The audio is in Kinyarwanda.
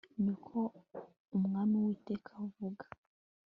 Ni ko Umwami Uwiteka avuga